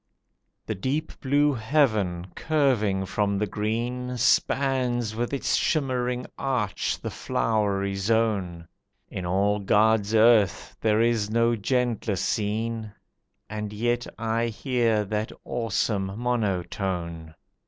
The deep blue heaven, curving from the green, Spans with its shimmering arch the flowery zone; In all God's earth there is no gentler scene, And yet I hear that awesome monotone.